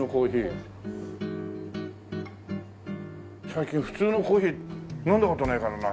最近普通のコーヒー飲んだ事ないからな。